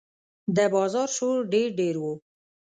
د بازار شور ډېر ډېر و.